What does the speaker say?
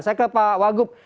saya ke pak wagub